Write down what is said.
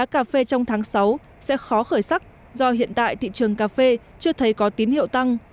cà phê trong tháng sáu sẽ khó khởi sắc do hiện tại thị trường cà phê chưa thấy có tín hiệu tăng